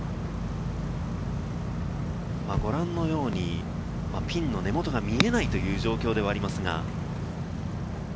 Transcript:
ご覧のようにピンの根元が見えないという状況ではあります。